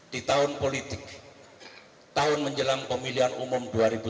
di tahun politik tahun menjelang pemilihan umum dua ribu sembilan belas